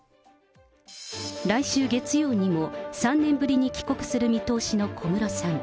来週月曜にも３年ぶりに帰国する見通しの小室さん。